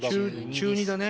中２だね。